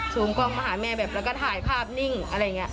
กล้องมาหาแม่แบบแล้วก็ถ่ายภาพนิ่งอะไรอย่างนี้